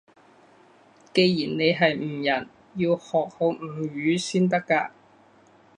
既然你係吳人，要學好吳語先得㗎